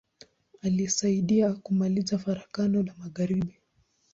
Alisaidia kumaliza Farakano la magharibi.